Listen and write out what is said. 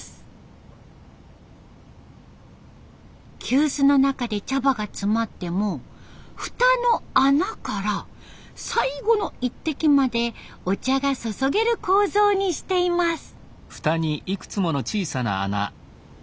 急須の中で茶葉が詰まっても蓋の穴から最後の一滴までお茶が注げる構造にしています。